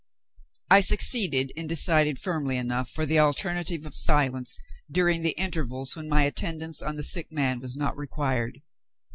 I succeeded in deciding firmly enough for the alternative of silence, during the intervals when my attendance on the sick man was not required.